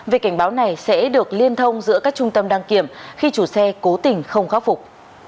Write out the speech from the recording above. việc cảnh báo này sẽ được liên thông giữa các trung tâm đăng kiểm khi chủ xe cố tình không khắc phục